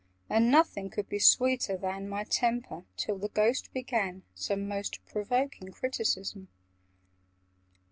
And nothing could be sweeter than My temper, till the Ghost began Some most provoking criticism.